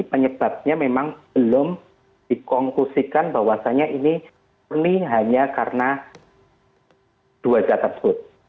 penyebabnya memang belum dikongkusikan bahwasannya ini ini hanya karena dua jatah tersebut